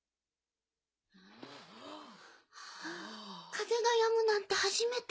風がやむなんて初めて。